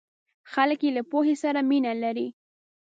خلک یې له پوهې سره مینه لري.